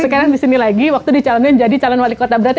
sekarang disini lagi waktu di calonnya jadi calon wali kota berat ya